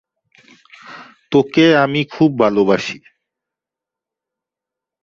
তোকে আমি খুব ভালোবাসি